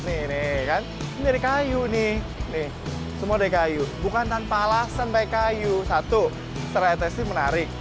nih kan dari kayu nih nih semua dari kayu bukan tanpa alasan baik kayu satu serai tes menarik